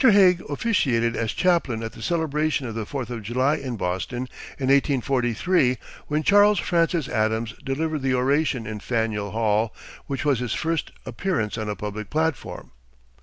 Hague officiated as chaplain at the celebration of the Fourth of July in Boston, in 1843, when Charles Francis Adams delivered the oration in Faneuil Hall, which was his first appearance on a public platform.